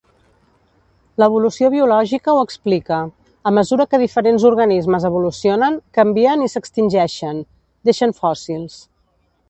L'evolució biològica ho explica: a mesura que diferents organismes evolucionen, canvien i s'extingeixen, deixen fòssils.